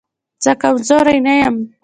زه کمزوری نه يم